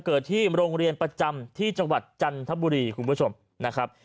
ที่โรงเรียนประจำที่จังหวัดจันทบุรีคุณผู้ชมนะครับ